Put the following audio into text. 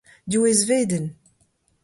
Div eizvedenn.